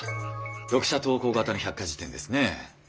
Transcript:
読者投稿型の百科事典ですね。